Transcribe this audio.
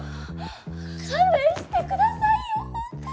勘弁してくださいよ本当！